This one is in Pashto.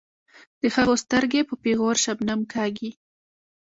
د هغو سترګې په پیغور شبنم کاږي.